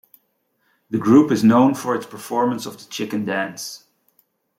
The group is known for its performance of the Chicken Dance.